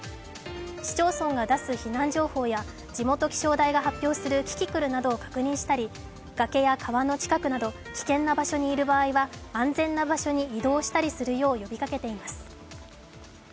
市町村が出す避難情報や地元気象台が発表するキキクルなどを確認したり、崖や川の近くなど危険な場所にいる場合は安全な場所に移動したりするよう呼びかけています。